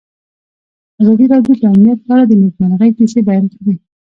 ازادي راډیو د امنیت په اړه د نېکمرغۍ کیسې بیان کړې.